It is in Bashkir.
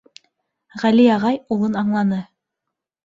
Ғәли ағай улын аңланы.